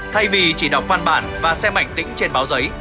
thay vì chỉ đọc văn bản và xem ảnh tĩnh trên báo giấy